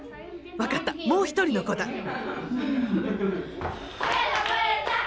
分かったもう一人の子だ！